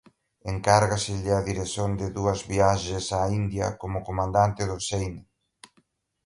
Encárgaselle a dirección de dúas viaxes á India como comandante do "Seine".